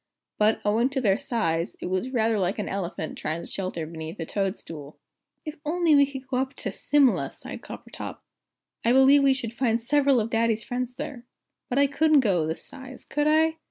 But, owing to their size, it was rather like an elephant trying to shelter beneath a toad stool. "If we could only go up to Simla," sighed Coppertop, "I believe we should find several of Daddy's friends there. But I couldn't go this size, could I?